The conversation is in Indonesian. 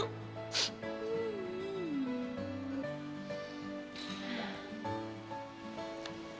lo yakin lo yang kepilih